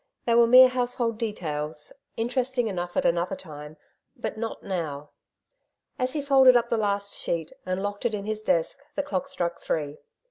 They were mere household details, interesting enough at another time; but not now. As he folded up the last sheet, and locked it in his desk, the clock struck three.